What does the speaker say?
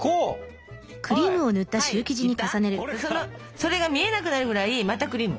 それが見えなくなるぐらいまたクリーム。